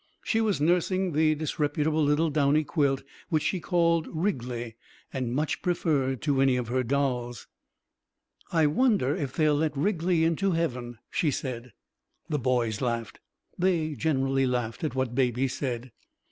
She was nursing the disreputable little downy quilt which she called Wriggly and much preferred to any of her dolls. "I wonder if they will let Wriggly into heaven," she said. The boys laughed. They generally laughed at what Baby said.